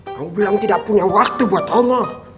kamu bilang tidak punya waktu buat ta'allah